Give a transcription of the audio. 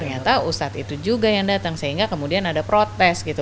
ternyata ustadz itu juga yang datang sehingga kemudian ada protes gitu